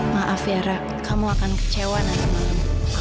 maaf yara kamu akan kecewa nanti malam